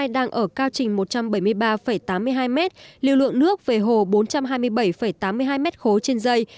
đang ở cao trình một trăm bảy mươi ba tám mươi hai m lưu lượng nước về hồ bốn trăm hai mươi bảy tám mươi hai m ba trên dây